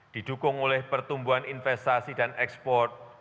didukung oleh pertumbuhan investasi dan ekspor